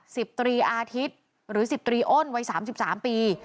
สิบตรีอาทิตย์หรือสิบตรีอ้นวัย๓๓ปี